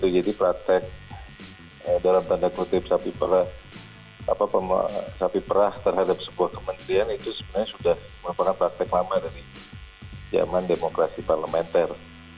jadi praktek dalam tanda kutip sapi perah terhadap sebuah kementerian itu sebenarnya sudah merupakan praktek lama dari zaman demokrasi parlementer